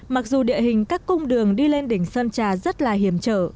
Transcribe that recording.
mặc dù địa hình các cung đường đi lên đỉnh sơn trà rất là hiểm trở